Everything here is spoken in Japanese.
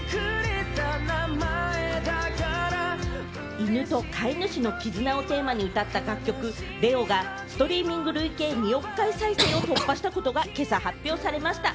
犬と飼い主の絆をテーマに歌った楽曲『レオ』がストリーミング累計２億回再生を突破したことが今朝発表されました。